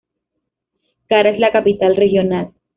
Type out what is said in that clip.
Kara es la capital regional.